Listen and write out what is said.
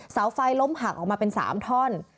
เสาไฟล้มห่างออกมาเป็นสามท่อน